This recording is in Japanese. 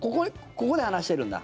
ここで離してるんだ。